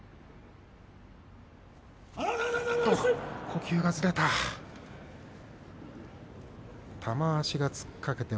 呼吸がずれました。